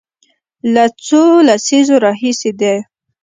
دا له څو لسیزو راهیسې ده.